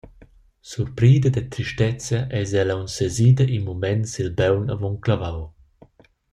Surprida da tristezia eis ella aunc sesida in mument sil baun avon clavau.